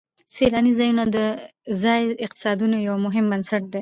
سیلاني ځایونه د ځایي اقتصادونو یو مهم بنسټ دی.